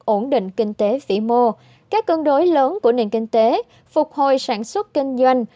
ổn định kinh tế vĩ mô các cân đối lớn của nền kinh tế phục hồi sản xuất kinh doanh